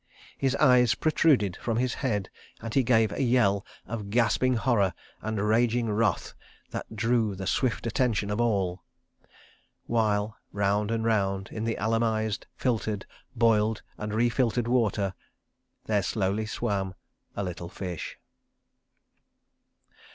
His eyes protruded from his head, and he gave a yell of gasping horror and raging wrath that drew the swift attention of all— While round and round in the alum ised, filtered, boiled and re filtered water, there slowly swam—a little fish.